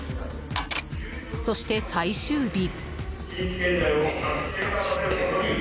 そして最終日。